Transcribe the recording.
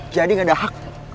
jadi gak ada hak